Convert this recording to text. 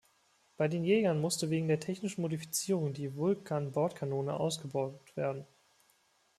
Bei den Jägern musste wegen der technischen Modifizierungen die Vulcan-Bordkanone ausgebaut werden.